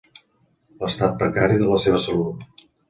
L'estat precari de la seva salut.